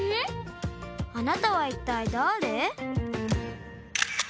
あなたはいったいだれ？